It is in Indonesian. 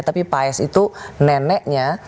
tapi paes itu neneknya